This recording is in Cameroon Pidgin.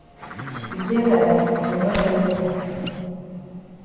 E dey like you no get me kong